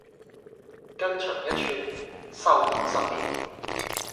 筋長一寸，壽延十年